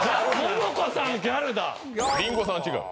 リンゴさんは違うの？